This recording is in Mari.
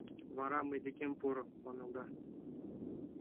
Вара мый декем пуро», — манылда.